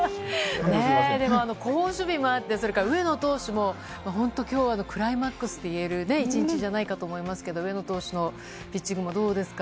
好守備もあって、それから上野投手も本当、きょうはクライマックスっていえる一日じゃないかと思いますけど、上野投手のピッチングもどうですか？